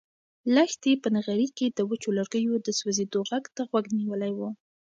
لښتې په نغري کې د وچو لرګیو د سوزېدو غږ ته غوږ نیولی و.